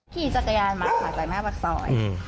พี่จักรยานมามาจากแม่บักซอย